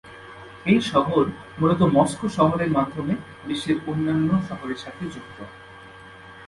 এই শহর মূলত মস্কো শহরের মাধ্যমে বিশ্বের অন্যান্য শহরের সাথে যুক্ত।